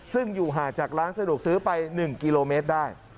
ซึ่งอยู่ห่างจากร้านสะดวกซื้อไป๑กิโลเมตรได้